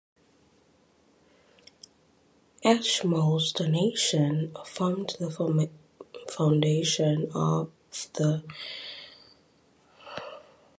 Ashmole's donation formed the foundation of the Ashmolean Museum at Oxford.